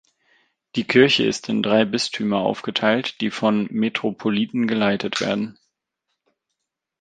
Die Kirche ist in drei Bistümer aufgeteilt, die von Metropoliten geleitet werden.